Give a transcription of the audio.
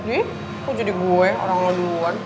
ih kok jadi gue orang lo duluan